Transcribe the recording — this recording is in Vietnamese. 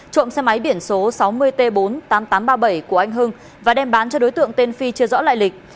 trộm xe máy biển số sáu mươi t bốn mươi tám nghìn tám trăm ba mươi bảy của anh hưng và đem bán cho đối tượng tên phi chưa rõ lại lịch